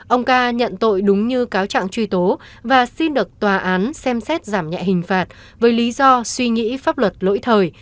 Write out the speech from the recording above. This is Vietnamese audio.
ông ca nhận tội đúng như cáo trạng truy tố và xin được tòa án xem xét giảm nhẹ hình phạt với lý do suy nghĩ pháp luật lỗi thời